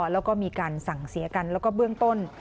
แล้วก็มีการสั่งเสียกันแล้วก็เบื้องต้น